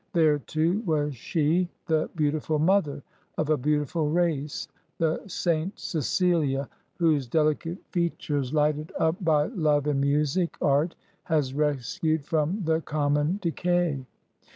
There too was she, the beau tiful mother of a beautiful race, the St. Cecilia whose delicate features, lighted up by love and music, art has rescued from the common decay.